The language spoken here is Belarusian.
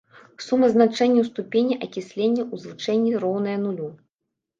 Сума значэнняў ступеней акіслення ў злучэнні роўная нулю.